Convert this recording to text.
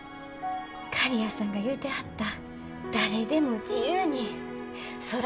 刈谷さんが言うてはった誰でも自由に空を行き来できる未来。